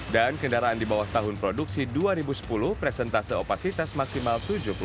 dan kendaraan di bawah tahun produksi dua ribu sepuluh presentase opasitas maksimal tujuh puluh